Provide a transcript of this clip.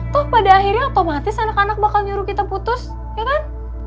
toh pada akhirnya otomatis anak anak bakal nyuruh kita putus ya kan